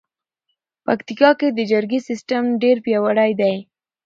پکتیکا کې د جرګې سیستم ډېر پیاوړی دی.